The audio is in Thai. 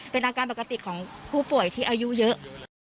เป็นอาการปกติของผู้ป่วยที่อายุเยอะ